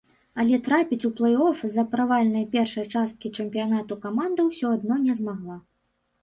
Але трапіць у плэй-оф з-за правальнай першай часткі чэмпіянату каманда ўсё адно не змагла.